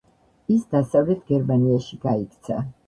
ის დასავლეთ გერმანიაში გაიქცა.